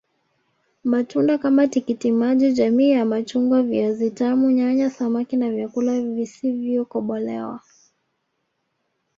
Matunda kama tikiti maji jamii ya machungwa viazi vitamu nyanya samaki na vyakula visivyokobolewa